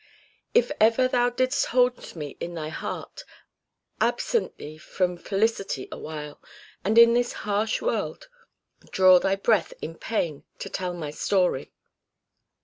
If ever thou didst hold me in thy heart Absent thee from felicity awhile, And in this harsh world draw thy breath in pain To tell my story."